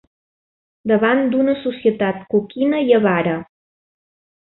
Davant d'una societat coquina i avara